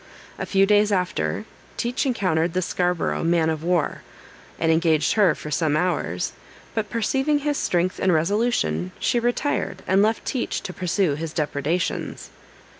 A few days after, Teach encountered the Scarborough man of war, and engaged her for some hours; but perceiving his strength and resolution, she retired, and left Teach to pursue his depredations.